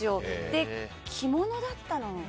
で、着物だったの。